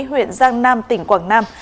huyện giang nam tỉnh quảng nam